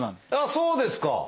そうですか！